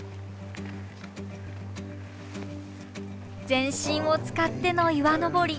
全身を使っての岩登り。